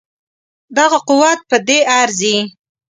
دغه قوت په دې ارزي.